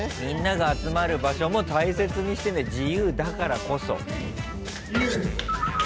みんなが集まる場所も大切にしてね自由だからこそ。